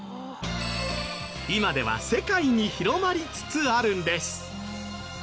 今では世界に広まりつつあるんです。